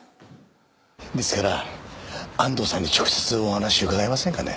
ですから安藤さんに直接お話を伺えませんかね？